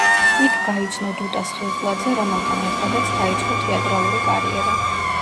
იქ გაიცნო დუტა სხირტლაძე, რომელთან ერთადაც დაიწყო თეატრალური კარიერა.